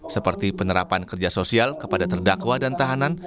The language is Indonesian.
seperti penerapan kerja sosial kepada terdakwa dan tahanan